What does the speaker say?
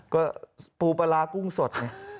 ก็ปูปลาร้ากุ้งสดไง